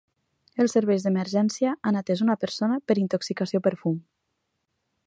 Els serveis d’emergències han atès una persona per intoxicació per fum.